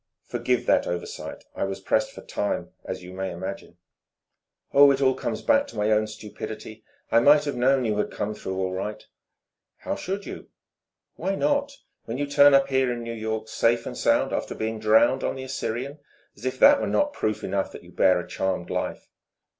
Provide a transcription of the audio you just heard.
"Forgive that oversight. I was pressed for time, as you may imagine." "Oh, it all comes back to my own stupidity. I might have known you had come through all right." "How should you?" "Why not? when you turn up here in New York safe and sound after being drowned on the Assyrian! as if that were not proof enough that you bear a charmed life!"